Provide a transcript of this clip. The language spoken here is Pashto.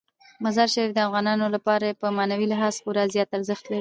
مزارشریف د افغانانو لپاره په معنوي لحاظ خورا زیات ارزښت لري.